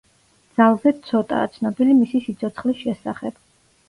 ძალზედ ცოტაა ცნობილი მისი სიცოცხლის შესახებ.